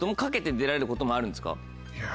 いや。